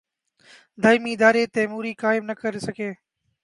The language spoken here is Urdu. دائمی ادارے تیموری قائم نہ کر سکے۔